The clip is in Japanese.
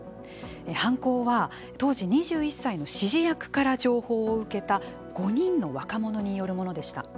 犯行は、当時２１歳の指示役から情報を受けた５人の若者によるものでした。